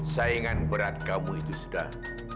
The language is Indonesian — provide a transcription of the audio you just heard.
saingan berat kamu itu sudah